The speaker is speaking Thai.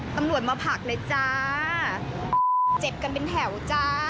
ตำรวจมาผลักเลยจ้าเจ็บกันเป็นแถวจ้า